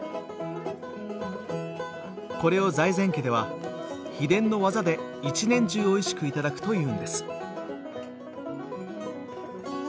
これを財前家では秘伝の技で一年中おいしく頂くというんです。